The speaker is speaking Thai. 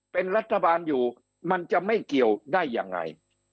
เป็นรัฐบาลอยู่มันจะไม่เกี่ยวได้ยังไง